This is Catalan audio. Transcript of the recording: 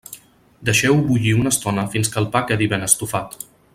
Deixeu-ho bullir una estona fins que el pa quedi ben estufat.